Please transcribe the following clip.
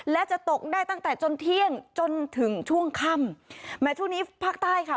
และจะตกได้ตั้งแต่จนเที่ยงจนถึงช่วงค่ำแม้ช่วงนี้ภาคใต้ค่ะ